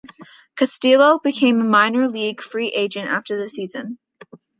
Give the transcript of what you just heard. Castillo became a minor league free agent after the season.